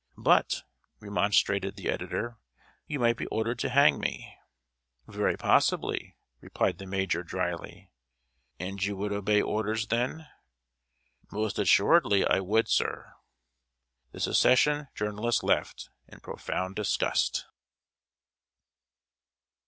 "But," remonstrated the editor, "you might be ordered to hang me." "Very possibly," replied the major, dryly. "And you would obey orders, then?" "Most assuredly I would, sir." The Secession journalist left, in profound disgust.